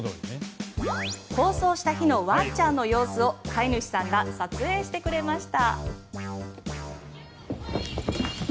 放送した日のワンちゃんの様子を飼い主さんが撮影してくれました。